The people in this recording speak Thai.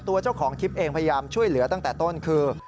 เจ้าของคลิปเองพยายามช่วยเหลือตั้งแต่ต้นคือ